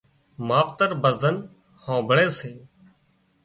ماوتر ڀزن هانمڀۯي سي